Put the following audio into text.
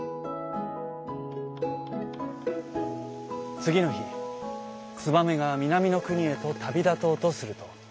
つぎのひツバメがみなみのくにへとたびだとうとすると。